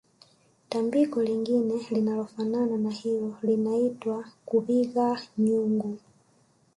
Tambiko lingine linalofanana na hilo liliitwa kubigha nyungu